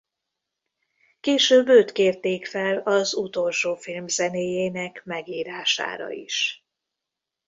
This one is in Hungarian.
Később őt kérték fel az utolsó film zenéjének megírására is.